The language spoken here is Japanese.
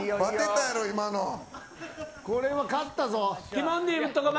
これは勝ったぞ。